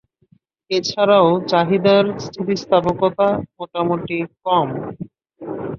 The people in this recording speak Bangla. এছাড়াও, চাহিদার স্থিতিস্থাপকতা মোটামুটি কম।